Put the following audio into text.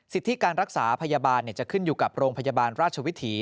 ที่การรักษาพยาบาลจะขึ้นอยู่กับโรงพยาบาลราชวิถี